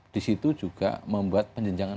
di situ juga membuat penjenjangan